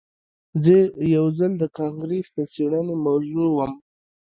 زه یو ځل د کانګرس د څیړنې موضوع وم